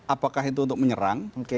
apakah itu untuk menyerang